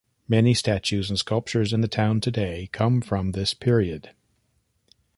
Many statues and sculptures in the town today come from this period.